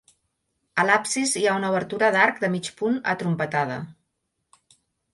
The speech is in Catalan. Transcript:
A l'absis hi ha una obertura d'arc de mig punt atrompetada.